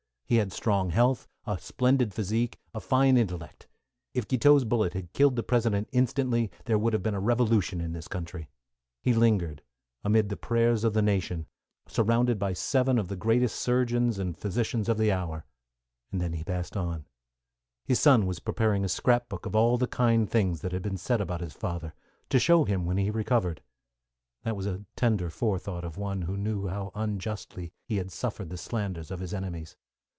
He had strong health, a splendid physique, a fine intellect. If Guiteau's bullet had killed the President instantly, there would have been a revolution in this country. He lingered amid the prayers of the nation, surrounded by seven of the greatest surgeons and physicians of the hour. Then he passed on. His son was preparing a scrap book of all the kind things that had been said about his father, to show him when he recovered. That was a tender forethought of one who knew how unjustly he had suffered the slanders of his enemies.